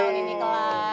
tahun ini kelar amin